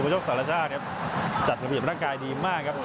ยกสารชาติครับจัดระเบียบร่างกายดีมากครับ